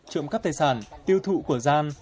trộm cắp tài sản tiêu thụ của gian